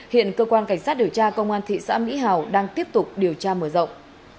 hiện cơ quan cảnh sát điều tra công an thị xã mỹ hào đang tiếp tục điều tra mở rộng